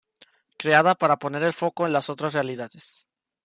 creada para poner el foco en las otras realidades